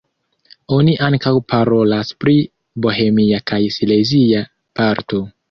Oni ankaŭ parolas pri bohemia kaj silezia parto.